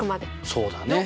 そうだね。